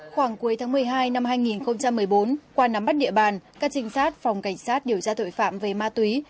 khoảng cuối tháng một mươi hai năm hai nghìn một mươi bốn qua nắm bắt địa bàn các trinh sát phòng cảnh sát điều tra tội phạm về ma túy